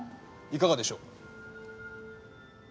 いかがでしょう？